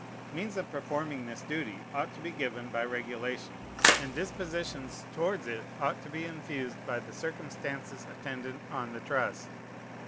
Means of performing this duty ought to be given by regulation; and dispositions towards it ought to be infused by the circumstances attendant on the trust.